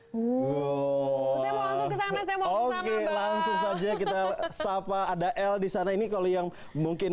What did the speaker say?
hai uh langsung ke sana saya mau langsung saja kita sapa ada l di sana ini kalau yang mungkin